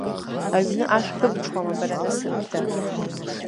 Аҩны ашә ԥыбҽуама, бара насыԥда!